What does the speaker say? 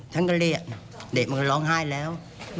ท่านก็เรียกเด็กมันก็ร้องไห้แล้ว